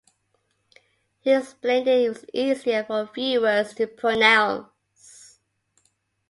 She explained it was easier for viewers to pronounce.